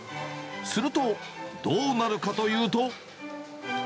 すると、どうなるかというと。